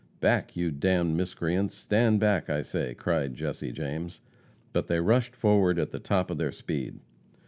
"Back, you d d miscreants! Stand back, I say!" cried Jesse James. But they rushed forward at the top of their speed.